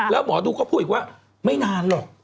แล้วหมอดูก็พูดอีกว่าไม่นานหรอก